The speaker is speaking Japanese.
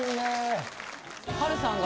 波瑠さんが。